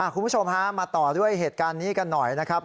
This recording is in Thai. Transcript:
คุณผู้ชมฮะมาต่อด้วยเหตุการณ์นี้กันหน่อยนะครับ